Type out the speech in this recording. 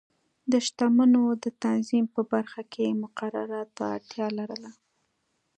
د شتمنیو د تنظیم په برخه کې مقرراتو ته اړتیا لرله.